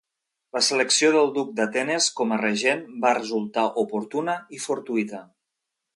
La selecció del duc d'Atenes com a regent va resultar oportuna i fortuïta.